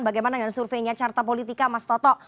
bagaimana dengan surveinya carta politika mas toto